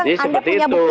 jadi seperti itu ya